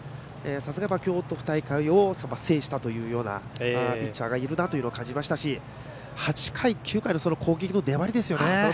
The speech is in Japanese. さすが京都大会を制したというようなピッチャーがいるなというのを感じましたし８回、９回の攻撃の粘りですよね。